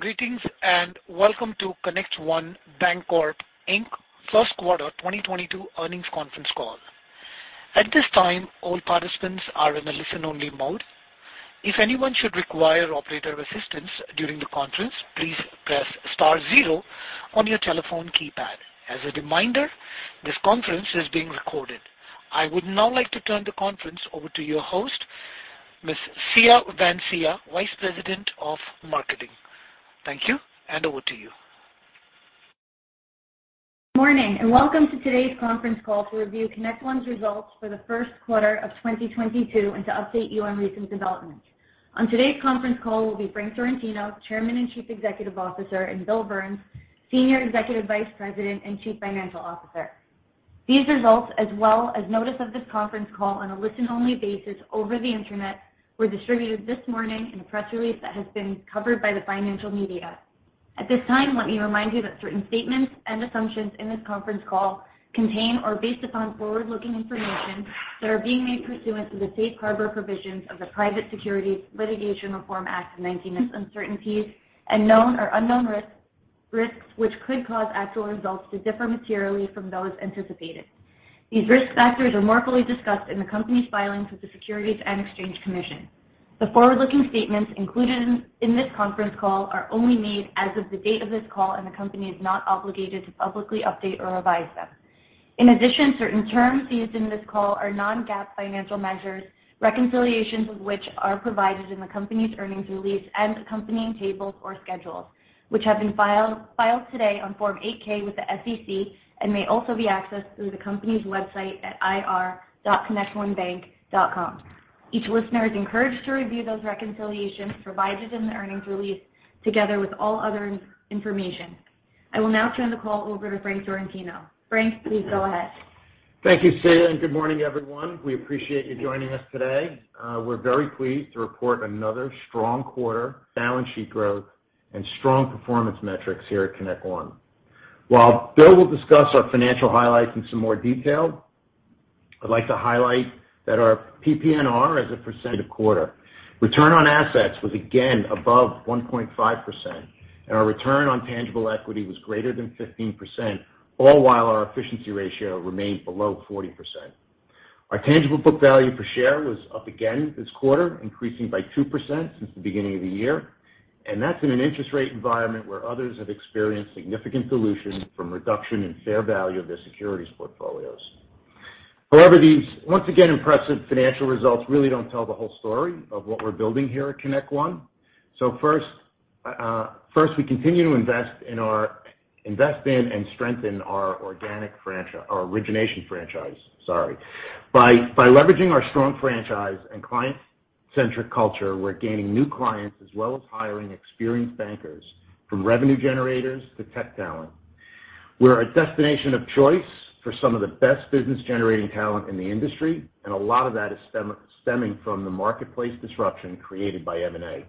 Greetings and welcome to ConnectOne Bancorp, Inc. first 1/4 2022 earnings conference call. At this time, all participants are in a Listen-Only Mode. If anyone should require operator assistance during the conference, please press star zero on your telephone keypad. As a reminder, this conference is being recorded. I would now like to turn the conference over to your host, Ms. Siya Vansia, Vice President of Marketing. Thank you, and over to you. Morning, welcome to today's conference call to review ConnectOne's results for the first 1/4 of 2022 and to update you on recent developments. On today's conference call will be Frank Sorrentino, Chairman and Chief Executive Officer, and Bill Burns, Senior Executive Vice President and Chief Financial Officer. These results, as well as notice of this conference call on a Listen-Only Basis over the internet, were distributed this morning in a press release that has been covered by the financial media. At this time, let me remind you that certain statements and assumptions in this conference call contain or are based upon Forward-Looking information that are being made pursuant to the safe harbor provisions of the Private Securities Litigation Reform Act of 1995. Uncertainties and known or unknown risks which could cause actual results to differ materially from those anticipated. These risk factors are more fully discussed in the company's filings with the Securities and Exchange Commission. The Forward-Looking statements included in this conference call are only made as of the date of this call, and the company is not obligated to publicly update or revise them. In addition, certain terms used in this call are non-GAAP financial measures, reconciliations of which are provided in the company's earnings release and accompanying tables or schedules, which have been filed today on Form 8-K with the SEC and may also be accessed through the company's website at ir.connectonebank.com. Each listener is encouraged to review those reconciliations provided in the earnings release together with all other information. I will now turn the call over to Frank Sorrentino. Frank, please go ahead. Thank you, Sia, and good morning, everyone. We appreciate you joining us today. We're very pleased to report another strong 1/4 balance sheet growth and strong performance metrics here at ConnectOne. While Bill will discuss our financial highlights in some more detail, I'd like to highlight that our PPNR as a percent of 1/4 return on assets was again above 1.5%, and our return on tangible equity was greater than 15%, all while our efficiency ratio remained below 40%. Our tangible book value per share was up again this 1/4, increasing by 2% since the beginning of the year. That's in an interest rate environment where others have experienced significant dilution from reduction in fair value of their securities portfolios. However, these once again impressive financial results really don't tell the whole story of what we're building here at ConnectOne. First, we continue to invest in and strengthen our organic origination franchise, sorry. By leveraging our strong franchise and Client-Centric culture, we're gaining new clients as well as hiring experienced bankers from revenue generators to tech talent. We're a destination of choice for some of the best business-generating talent in the industry, and a lot of that is stemming from the marketplace disruption created by M&A.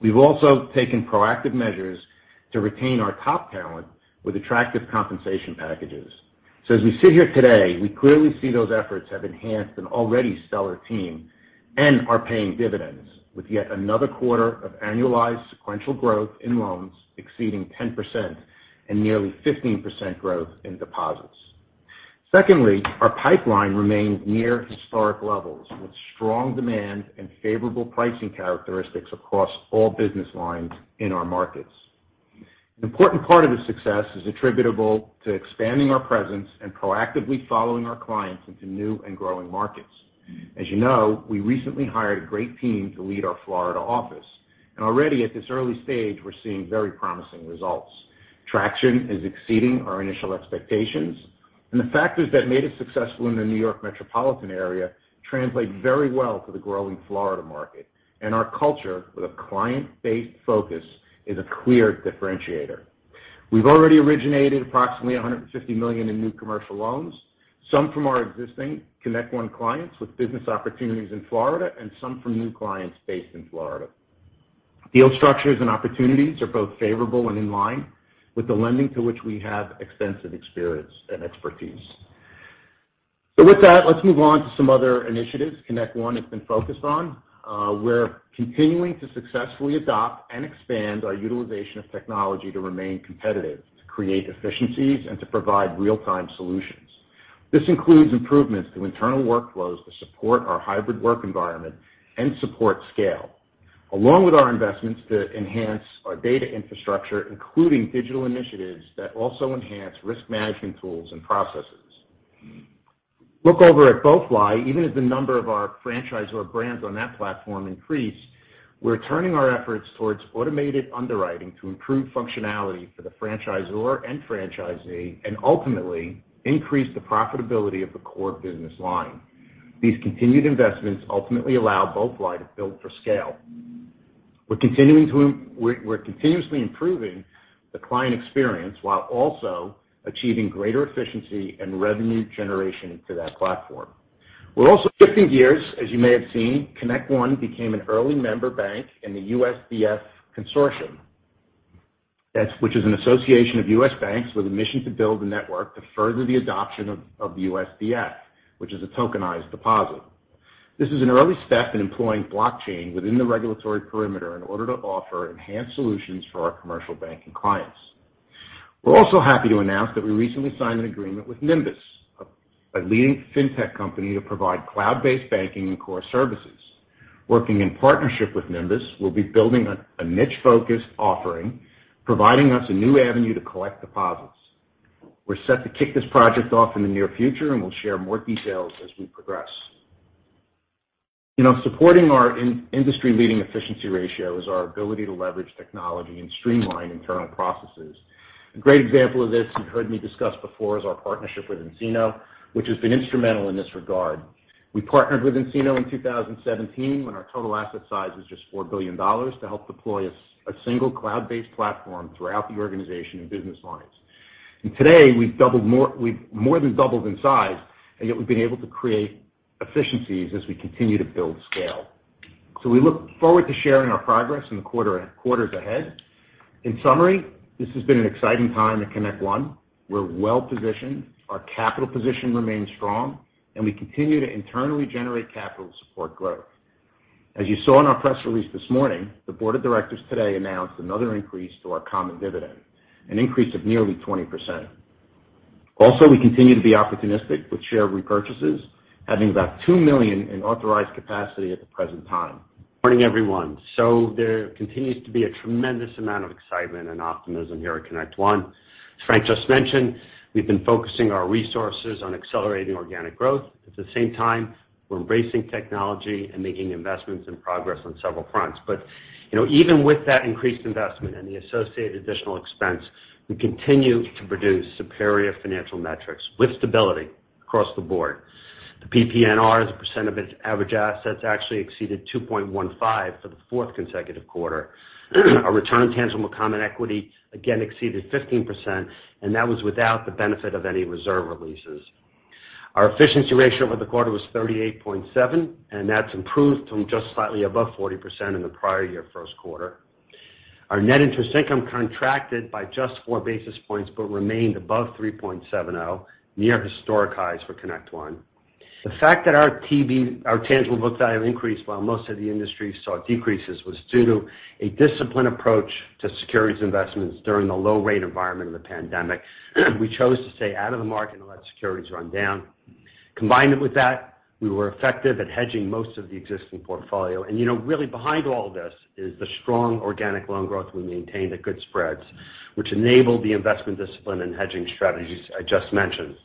We've also taken proactive measures to retain our top talent with attractive compensation packages. As we sit here today, we clearly see those efforts have enhanced an already stellar team and are paying dividends with yet another 1/4 of annualized sequential growth in loans exceeding 10% and nearly 15% growth in deposits. Secondly, our pipeline remains near historic levels with strong demand and favorable pricing characteristics across all business lines in our markets. An important part of the success is attributable to expanding our presence and proactively following our clients into new and growing markets. As you know, we recently hired a great team to lead our Florida office, and already at this early stage, we're seeing very promising results. Traction is exceeding our initial expectations, and the factors that made us successful in the New York metropolitan area translate very well to the growing Florida market. Our culture with a client-based focus is a clear differentiator. We've already originated approximately $150 million in new commercial loans, some from our existing ConnectOne clients with business opportunities in Florida and some from new clients based in Florida. Deal structures and opportunities are both favorable and in line with the lending to which we have extensive experience and expertise. With that, let's move on to some other initiatives ConnectOne has been focused on. We're continuing to successfully adopt and expand our utilization of technology to remain competitive, to create efficiencies, and to provide real-time solutions. This includes improvements to internal workflows to support our hybrid work environment and support scale, along with our investments to enhance our data infrastructure, including digital initiatives that also enhance risk management tools and processes. Look over at BoeFly, even as the number of our franchisor brands on that platform increase, we're turning our efforts towards automated underwriting to improve functionality for the franchisor and franchisee and ultimately increase the profitability of the core business line. These continued investments ultimately allow BoeFly to build for scale. We're continuously improving the client experience while also achieving greater efficiency and revenue generation to that platform. We're also shifting gears. As you may have seen, ConnectOne became an early member bank in the USDF Consortium. which is an association of US banks with a mission to build a ne2rk to further the adoption of USDF, which is a tokenized deposit. This is an early step in employing blockchain within the regulatory perimeter in order to offer enhanced solutions for our commercial banking clients. We're also happy to announce that we recently signed an agreement with Nymbus, a leading fintech company to provide cloud-based banking and core services. Working in partnership with Nymbus, we'll be building a niche-focused offering, providing us a new avenue to collect deposits. We're set to kick this project off in the near future, and we'll share more details as we progress. You know, supporting our industry-leading efficiency ratio is our ability to leverage technology and streamline internal processes. A great example of this you've heard me discuss before is our partnership with nCino, which has been instrumental in this regard. We partnered with nCino in 2017 when our total asset size was just $4 billion to help deploy a single cloud-based platform throughout the organization and business lines. Today, we've more than doubled in size, and yet we've been able to create efficiencies as we continue to build scale. We look forward to sharing our progress in the quarters ahead. In summary, this has been an exciting time at ConnectOne. We're Well-Positioned, our capital position remains strong, and we continue to internally generate capital to support growth. As you saw in our press release this morning, the board of directors today announced another increase to our common dividend, an increase of nearly 20%. We continue to be opportunistic with share repurchases, having about 2 million in authorized capacity at the present time. Morning, everyone. There continues to be a tremendous amount of excitement and optimism here at ConnectOne. As Frank just mentioned, we've been focusing our resources on accelerating organic growth. At the same time, we're embracing technology and making investments and progress on several fronts. You know, even with that increased investment and the associated additional expense, we continue to produce superior financial metrics with stability across the board. The PPNR as a percent of its average assets actually exceeded 2.15% for the 4th consecutive 1/4. Our return on tangible common equity again exceeded 15%, and that was without the benefit of any reserve releases. Our efficiency ratio for the 1/4 was 38.7, and that's improved from just slightly above 40% in the prior year first 1/4. Our net interest income contracted by just 4 basis points but remained above 3.70, near historic highs for ConnectOne. The fact that our tangible book value increased while most of the industry saw decreases was due to a disciplined approach to securities investments during the low rate environment of the pandemic. We chose to stay out of the market and let securities run down. Combined with that, we were effective at hedging most of the existing portfolio. You know, really behind all this is the strong organic loan growth we maintained at good spreads, which enabled the investment discipline and hedging strategies I just mentioned.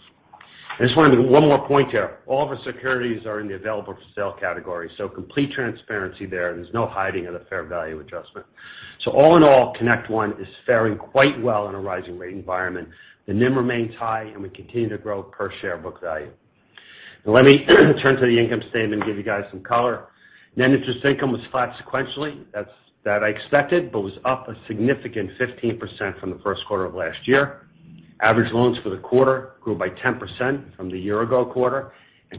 I just wanted to make one more point here. All of our securities are in the Available-For-Sale category, so complete transparency there. There's no hiding of the fair value adjustment. All in all, ConnectOne is faring quite well in a rising rate environment. The NIM remains high, and we continue to grow per share book value. Now let me turn to the income statement and give you guys some color. Net interest income was flat sequentially. That I expected, but was up a significant 15% from the first 1/4 of last year. Average loans for the 1/4 grew by 10% from the year ago 1/4.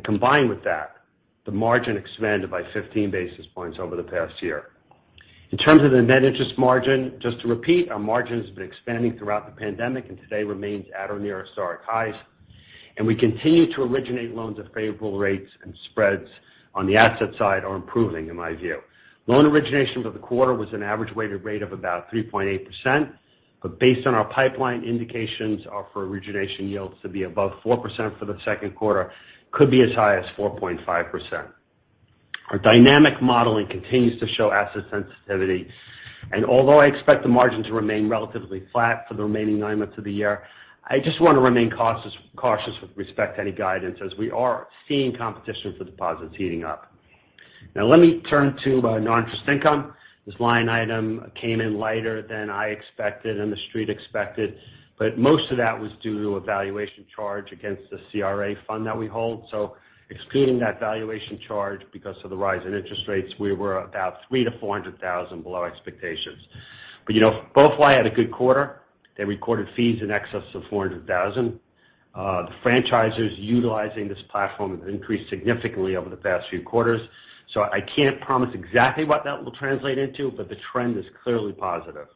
Combined with that, the margin expanded by 15 basis points over the past year. In terms of the net interest margin, just to repeat, our margin has been expanding throughout the pandemic and today remains at or near historic highs. We continue to originate loans at favorable rates, and spreads on the asset side are improving, in my view. Loan origination for the 1/4 was an average w8ed rate of about 3.8%. Based on our pipeline, indications are for origination yields to be above 4% for the second 1/4, could be as high as 4.5%. Our dynamic modeling continues to show asset sensitivity. Although I expect the margin to remain relatively flat for the remaining nine months of the year, I just want to remain cautious with respect to any guidance as we are seeing competition for deposits heating up. Now let me turn to non-interest income. This line item came in lighter than I expected and the Street expected, but most of that was due to a valuation charge against the CRA fund that we hold. Excluding that valuation charge because of the rise in interest rates, we were about $300,000-$400,000 below expectations. You know, BoeFly had a good 1/4. They recorded fees in excess of $400,000. The franchisors utilizing this platform have increased significantly over the past few quarters. I can't promise exactly what that will translate into, but the trend is clearly positive.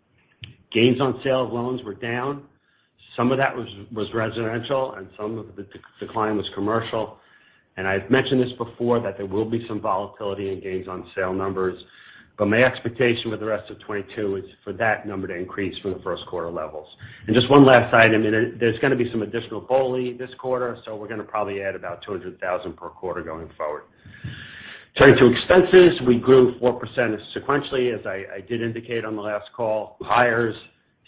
Gains on sale of loans were down. Some of that was residential and some of the decline was commercial. I've mentioned this before, that there will be some volatility in gains on sale numbers. My expectation for the rest of 2022 is for that number to increase from the first 1/4 levels. Just one last item, there's gonna be some additional BOLI this 1/4, so we're gonna probably add about $200,000 per 1/4 going forward. Turning to expenses, we grew 4% sequentially, as I did indicate on the last call. Hires,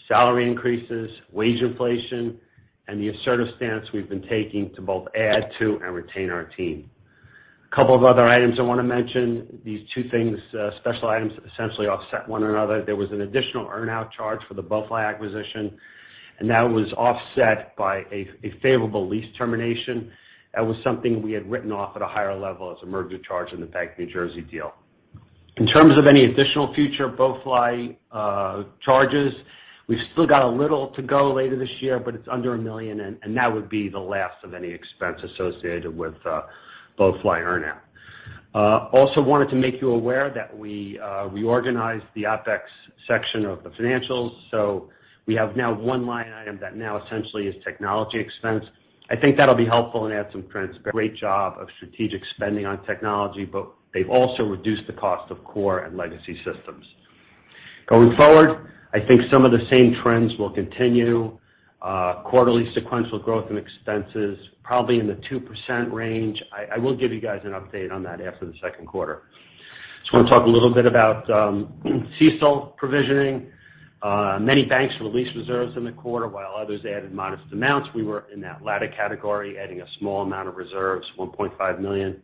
salary increases, wage inflation, and the assertive stance we've been taking to both add to and retain our team. A couple of other items I want to mention. These 2 things, special items essentially offset one another. There was an additional earn-out charge for the BoeFly acquisition, and that was offset by a favorable lease termination. That was something we had written off at a higher level as a merger charge in the Bank of New Jersey deal. In terms of any additional future BoeFly charges, we've still got a little to go later this year, but it's under $1 million, and that would be the last of any expense associated with BoeFly earn-out. Also wanted to make you aware that we reorganized the OpEx section of the financials. We have now one line item that now essentially is technology expense. I think that'll be helpful and add some. Great job of strategic spending on technology, but they've also reduced the cost of core and legacy systems. Going forward, I think some of the same trends will continue. Quarterly sequential growth in expenses probably in the 2% range. I will give you guys an update on that after the second 1/4. Just wanna talk a little bit about CECL provisioning. Many banks released reserves in the 1/4, while others added modest amounts. We were in that latter category, adding a small amount of reserves, $1.5 million.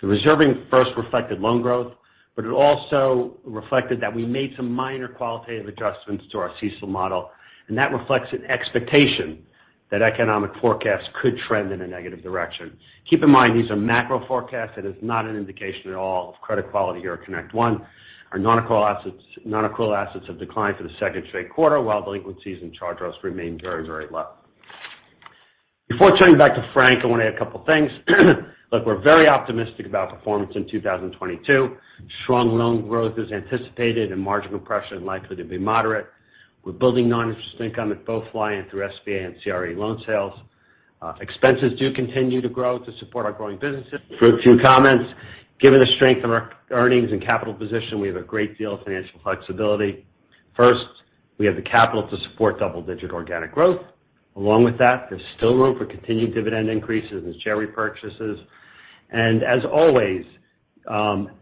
The reserving first reflected loan growth, but it also reflected that we made some minor qualitative adjustments to our CECL model, and that reflects an expectation that economic forecasts could trend in a negative direction. Keep in mind, these are macro forecasts. It is not an indication at all of credit quality or ConnectOne. Our non-accrual assets have declined for the second straight 1/4, while delinquencies and Charge-Offs remain very, very low. Before turning back to Frank, I wanna add a couple things. Look, we're very optimistic about performance in 2022. Strong loan growth is anticipated and marginal pressure is likely to be moderate. We're building Non-Interest income at BoeFly through SBA and CRE loan sales. Expenses do continue to grow to support our growing businesses. For a few comments, given the strength of our earnings and capital position, we have a great deal of financial flexibility. First, we have the capital to support double-digit organic growth. Along with that, there's still room for continued dividend increases and share repurchases. As always,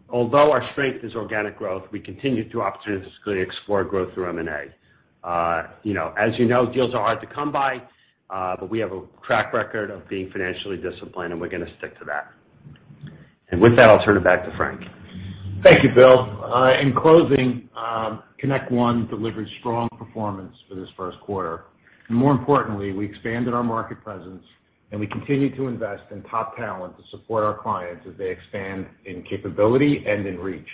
although our strength is organic growth, we continue to opportunistically explore growth through M&A. You know, as you know, deals are hard to come by, but we have a track record of being financially disciplined, and we're gonna stick to that. With that, I'll turn it back to Frank. Thank you, Bill. In closing, ConnectOne delivered strong performance for this first 1/4. More importantly, we expanded our market presence, and we continue to invest in top talent to support our clients as they expand in capability and in reach.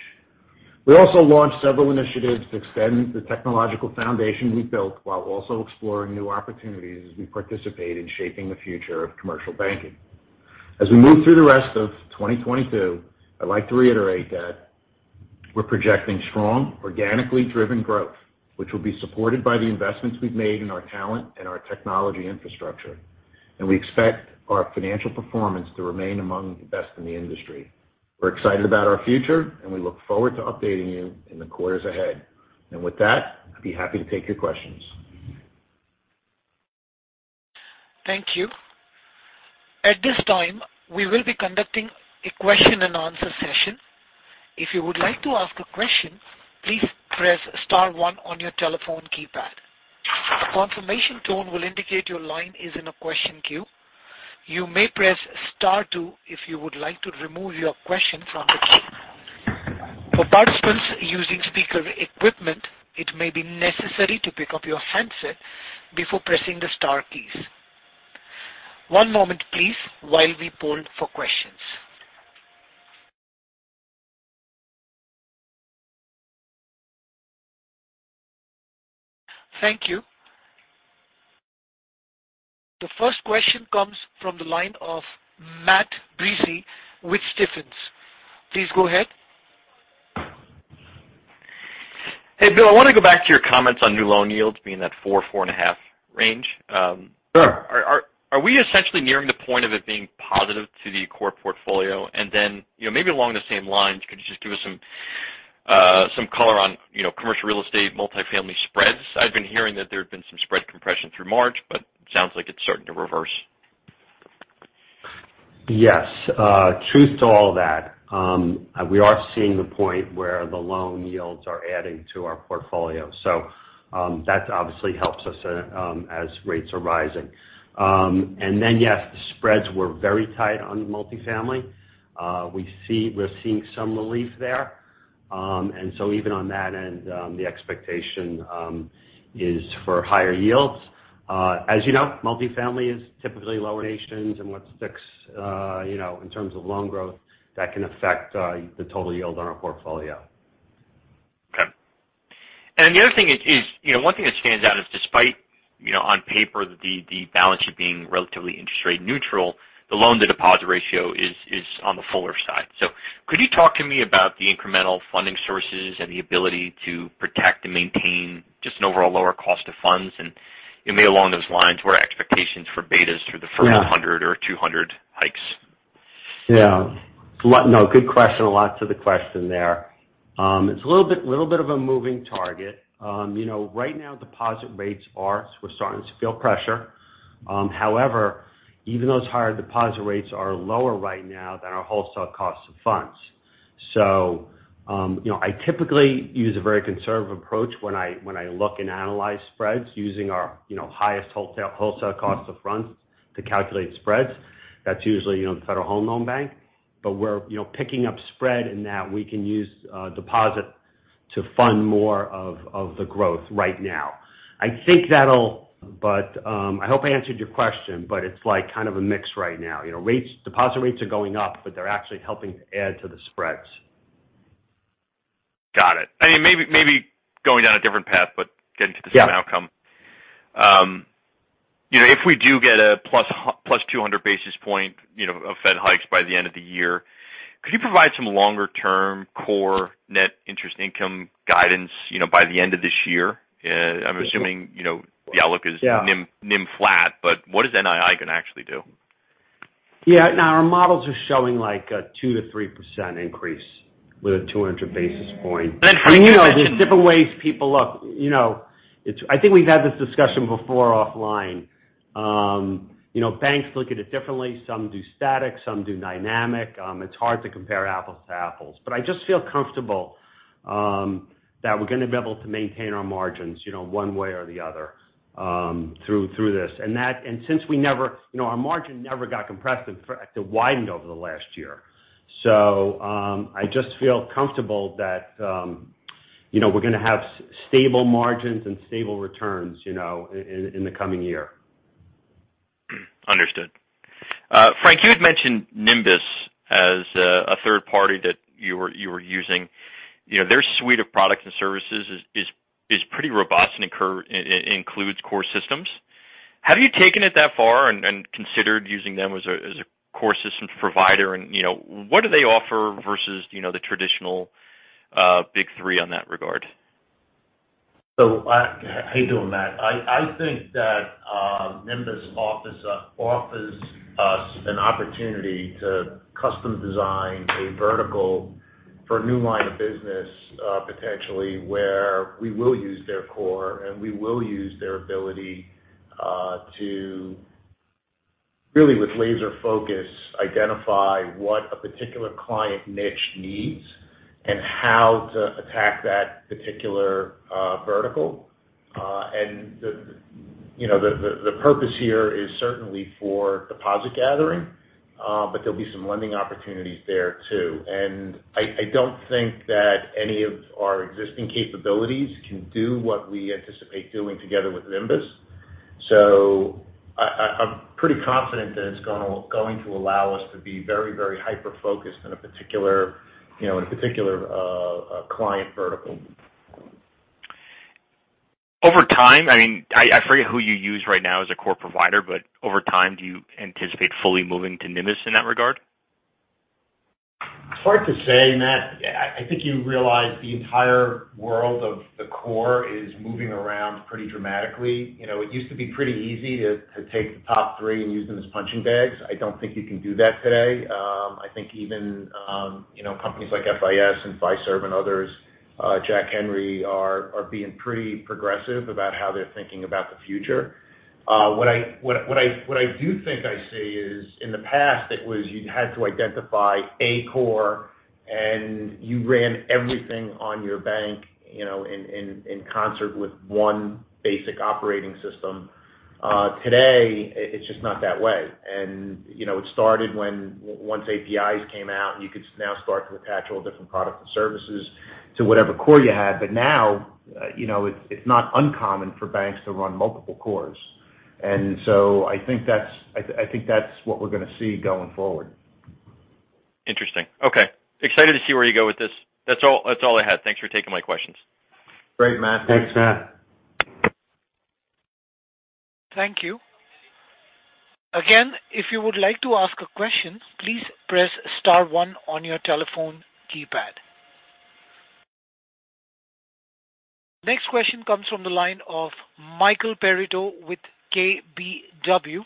We also launched several initiatives to extend the technological foundation we've built while also exploring new opportunities as we participate in shaping the future of commercial banking. As we move through the rest of 2022, I'd like to reiterate that we're projecting strong, organically driven growth, which will be supported by the investments we've made in our talent and our technology infrastructure, and we expect our financial performance to remain among the best in the industry. We're excited about our future, and we look forward to updating you in the quarters ahead. With that, I'd be happy to take your questions. Thank you. At this time, we will be conducting a question and answer session. If you would like to ask a question, please press star one on your telephone keypad. A confirmation tone will indicate your line is in a question queue. You may press star 2 if you would like to remove your question from the queue. For participants using speaker equipment, it may be necessary to pick up your handset before pressing the star keys. One moment, please, while we poll for questions. Thank you. The first question comes from the line of Matthew Breese with Stephens. Please go ahead. Hey, Bill, I wanna go back to your comments on new loan yields being that 4%-4.5% range. Sure. Are we essentially nearing the point of it being positive to the core portfolio? Then, you know, maybe along the same lines, could you just give us some color on, you know, commercial real estate, multifamily spreads? I've been hearing that there had been some spread compression through March, but sounds like it's starting to reverse. Yes. Truth to all of that. We are seeing the point where the loan yields are adding to our portfolio. That obviously helps us, as rates are rising. Yes, the spreads were very tight on multifamily. We're seeing some relief there. Even on that end, the expectation is for higher yields. As you know, multifamily is typically lower margins and what sticks, you know, in terms of loan growth that can affect the total yield on our portfolio. Okay. The other thing is, you know, one thing that stands out is despite, you know, on paper the balance sheet being relatively interest rate neutral, the loan to deposit ratio is on the fuller side. Could you talk to me about the incremental funding sources and the ability to protect and maintain just an overall lower cost of funds? Maybe along those lines, what are expectations for betas through the first- Yeah. 100 or 200 hikes? Yeah. No, good question. There's a lot to the question there. It's a little bit of a moving target. You know, right now deposit rates are. We're starting to feel pressure. However, even those higher deposit rates are lower right now than our wholesale costs of funds. You know, I typically use a very conservative approach when I look and analyze spreads using our highest wholesale cost of funds to calculate spreads. That's usually the Federal Home Loan Bank. We're picking up spread in that we can use deposit to fund more of the growth right now. I think that'll. I hope I answered your question, but it's like kind of a mix right now. You know, rates, deposit rates are going up, but they're actually helping to add to the spreads. Got it. I mean, maybe going down a different path, but getting to the same outcome. You know, if we do get a +200 basis points of Fed hikes by the end of the year, could you provide some Longer-Term core net interest income guidance, you know, by the end of this year? I'm assuming, you know, the outlook is NIM flat, but what is NII gonna actually do? Yeah. No, our models are showing like a 2%-3% increase with a 200 basis point. That's You know, there's different ways people look. You know, I think we've had this discussion before offline. You know, banks look at it differently. Some do static, some do dynamic. It's hard to compare apples to apples. I just feel comfortable that we're gonna be able to maintain our margins, you know, one way or the other, through this. Since we never, you know, our margin never got compressed. It widened over the last year. I just feel comfortable that, you know, we're gonna have stable margins and stable returns, you know, in the coming year. Understood. Frank, you had mentioned Nymbus as a third party that you were using. You know, their suite of products and services is pretty robust and includes core systems. Have you taken it that far and considered using them as a core system provider? You know, what do they offer versus the traditional big 3 in that regard? How you doing, Matthew? I think that Nymbus offers us an opportunity to custom design a vertical for a new line of business, potentially where we will use their core and we will use their ability to really with laser focus identify what a particular client niche needs and how to attack that particular vertical. You know, the purpose here is certainly for deposit gathering, but there'll be some lending opportunities there too. I don't think that any of our existing capabilities can do what we anticipate doing together with Nymbus. I'm pretty confident that it's going to allow us to be very, very hyper-focused in a particular, you know, in a particular client vertical. Over time, I mean, I forget who you use right now as a core provider, but over time, do you anticipate fully moving to Nymbus in that regard? It's hard to say, Matthew. I think you realize the entire world of the core is moving around pretty dramatically. You know, it used to be pretty easy to take the top 3 and use them as punching bags. I don't think you can do that today. I think even you know, companies like FIS and Fiserv and others, Jack Henry are being pretty progressive about how they're thinking about the future. What I do think I see is in the past it was you had to identify a core and you ran everything on your bank, you know, in concert with one basic operating system. Today, it's just not that way. You know, it started when once APIs came out, and you could now start to attach all different products and services to whatever core you had. Now, you know, it's not uncommon for banks to run multiple cores. I think that's what we're gonna see going forward. Interesting. Okay. Excited to see where you go with this. That's all I had. Thanks for taking my questions. Great, Matthew. Thanks, Matthew. Thank you. Again, if you would like to ask a question, please press star one on your telephone keypad. Next question comes from the line of Michael Perito with KBW.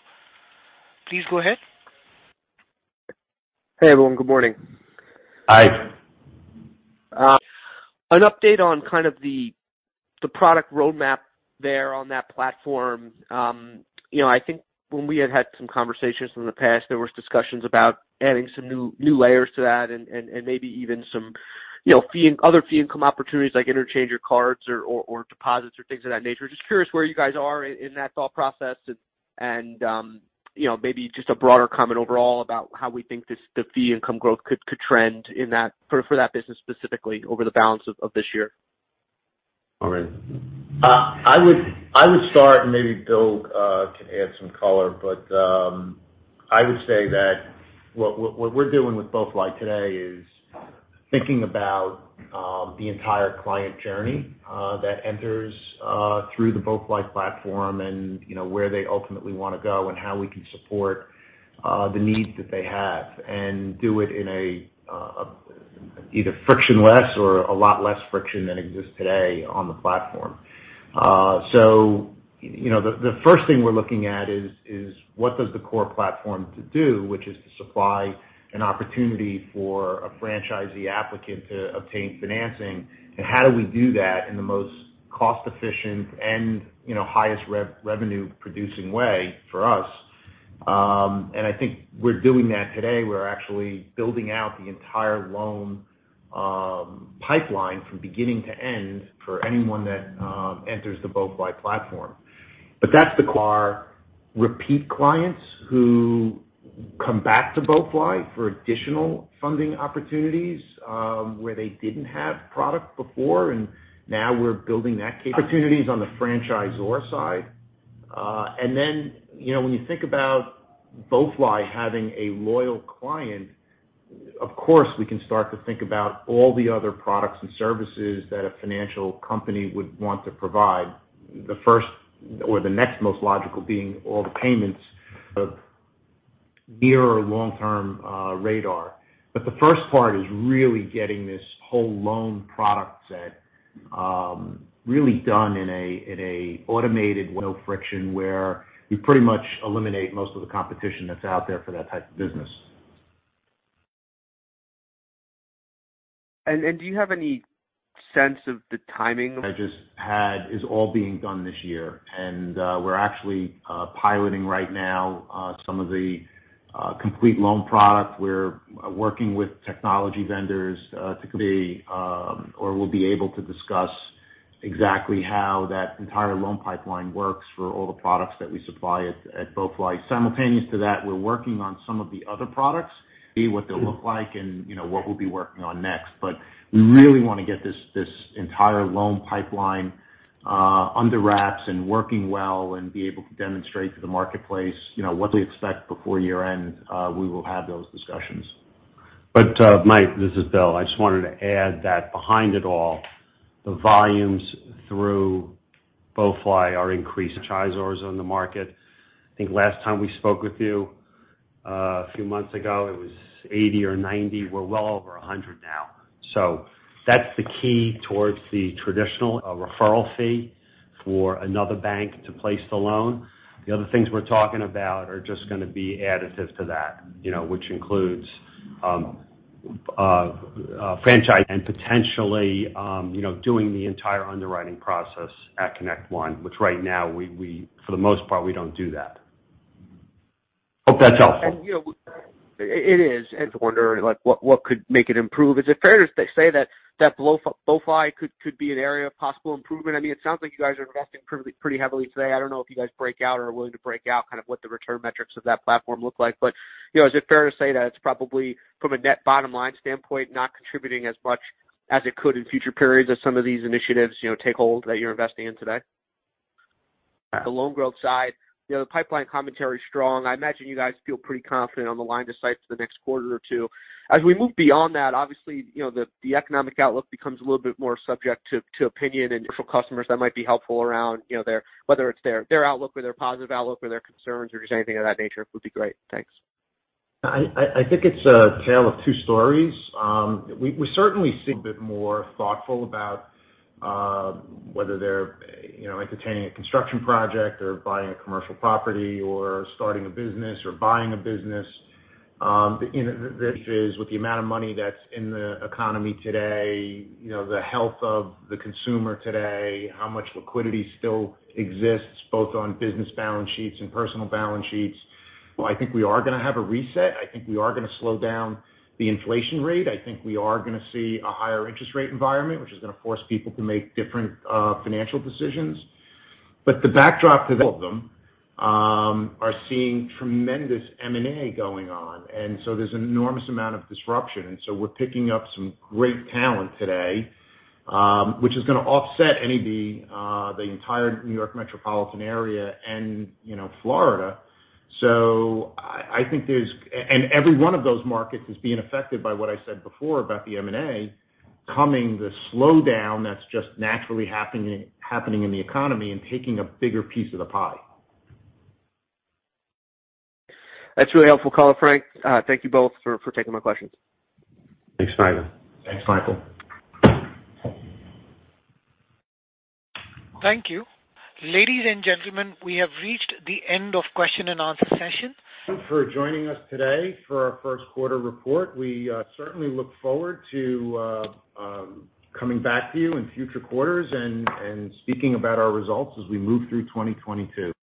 Please go ahead. Hey, everyone. Good morning. Hi. An update on kind of the product roadmap there on that platform. You know, I think when we had some conversations in the past, there was discussions about adding some new layers to that and maybe even some, you know, fee and other fee income opportunities like interchange or cards or deposits or things of that nature. Just curious where you guys are in that thought process and, you know, maybe just a broader comment overall about how we think this, the fee income growth could trend in that for that business specifically over the balance of this year. All right. I would start and maybe Bill can add some color, but I would say that what we're doing with BoeFly today is thinking about the entire client journey that enters through the BoeFly platform and, you know, where they ultimately wanna go and how we can support the needs that they have and do it in a either frictionless or a lot less friction than exists today on the platform. You know, the first thing we're looking at is what does the core platform do, which is to supply an opportunity for a franchisee applicant to obtain financing, and how do we do that in the most cost efficient and, you know, highest revenue producing way for us. I think we're doing that today. We're actually building out the entire loan pipeline from beginning to end for anyone that enters the BoeFly platform. That's the core. Repeat clients who come back to BoeFly for additional funding opportunities, where they didn't have product before, and now we're building that capability. Opportunities on the franchisor side, and then, you know, when you think about BoeFly having a loyal client, of course, we can start to think about all the other products and services that a financial company would want to provide. The first or the next most logical being all the payments and Near- or Long-Term radar. The first part is really getting this whole loan product set really done in an automated no-friction where we pretty much eliminate most of the competition that's out there for that type of business. Do you have any sense of the timing? I just have this all being done this year. We're actually piloting right now some of the complete loan product. We're working with technology vendors. We'll be able to discuss exactly how that entire loan pipeline works for all the products that we supply at BoeFly. Simultaneous to that, we're working on some of the other products, see what they'll look like and, you know, what we'll be working on next. We really wanna get this entire loan pipeline under wraps and working well and be able to demonstrate to the marketplace, you know, what they expect before Year-End. We will have those discussions. Mike, this is Bill. I just wanted to add that behind it all, the volumes through BoeFly are increased on the market. I think last time we spoke with you a few months ago, it was 80 or 90. We're well over 100 now. That's the key to the traditional referral fee for another bank to place the loan. The other things we're talking about are just gonna be additive to that, you know, which includes franchise and potentially you know doing the entire underwriting process at ConnectOne, which right now, for the most part, we don't do that. Hope that's helpful. You know, it is. I just wonder, like, what could make it improve. Is it fair to say that BoeFly could be an area of possible improvement? I mean, it sounds like you guys are investing pretty heavily today. I don't know if you guys break out or are willing to break out kind of what the return metrics of that platform look like. But, you know, is it fair to say that it's probably from a net bottom line standpoint, not contributing as much as it could in future periods as some of these initiatives, you know, take hold that you're investing in today? The loan growth side, you know, the pipeline commentary is strong. I imagine you guys feel pretty confident on the line of sight for the next 1/4 or 2. As we move beyond that, obviously, you know, the economic outlook becomes a little bit more subject to opinion. For customers that might be helpful around, you know, their outlook or their positive outlook or their concerns or just anything of that nature would be great. Thanks. I think it's a tale of 2 stories. We certainly see a bit more thoughtful about whether they're, you know, entertaining a construction project or buying a commercial property or starting a business or buying a business. Given the amount of money that's in the economy today, you know, the health of the consumer today, how much liquidity still exists both on business balance sheets and personal balance sheets. I think we are gonna have a reset. I think we are gonna slow down the inflation rate. I think we are gonna see a higher interest rate environment, which is gonna force people to make different financial decisions. The backdrop to all of them are seeing tremendous M&A going on. There's an enormous amount of disruption. We're picking up some great talent today, which is gonna offset any of the entire New York metropolitan area and, you know, Florida. I think there's and every one of those markets is being affected by what I said before about the M&A coming, the slowdown that's just naturally happening in the economy and taking a bigger piece of the pie. That's really helpful, uncertain, Frank. Thank you both for taking my questions. Thanks, Michael. Thanks, Michael. Thank you. Ladies and gentlemen, we have reached the end of question and answer session. Thank you for joining us today for our first 1/4 report. We certainly look forward to coming back to you in future quarters and speaking about our results as we move through 2022.